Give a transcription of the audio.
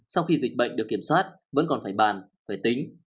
sau khi dịch bệnh được kiểm soát vẫn còn phải bàn phải tính